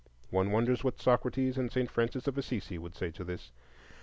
One wonders what Socrates and St. Francis of Assisi would say to this.